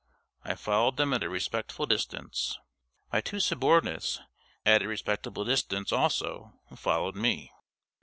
I followed them at a respectful distance. My two subordinates, at a respectful distance, also, followed me.